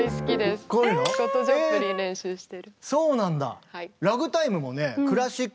そうなんだ。